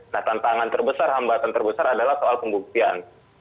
nah tantangan terbesar hambatan terbesar adalah soal pembuktian